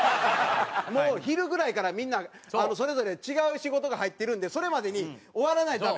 もう昼ぐらいからみんなそれぞれ違う仕事が入ってるんでそれまでに終わらないとダメ。